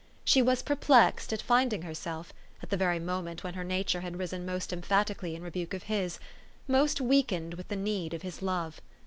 She was perplexed at finding herself, at the very moment when her nature had risen most emphatically in rebuke of his, most weakened with the need of his love.